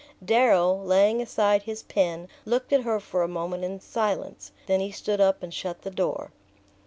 Darrow, laying aside his pen, looked at her for a moment in silence; then he stood up and shut the door.